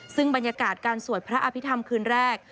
ซึ่งบรรยากาศการสวดพระอภิษฐรรมคืนแรก